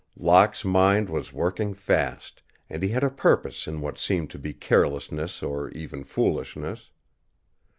Locke's mind was working fast, and he had a purpose in what seemed to be carelessness or even foolishness.